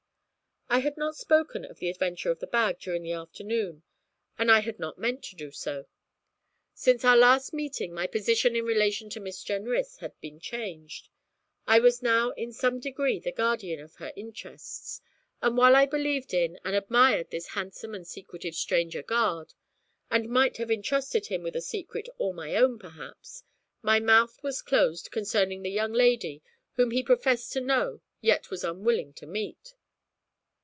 I had not spoken of the adventure of the bag during the afternoon, and I had not meant to do so. Since our last meeting my position in relation to Miss Jenrys had been changed. I was now in some degree the guardian of her interests, and while I believed in and admired this handsome and secretive stranger guard, and might have entrusted him with a secret all my own, perhaps, my mouth was closed concerning the young lady whom he professed to know yet was unwilling to meet.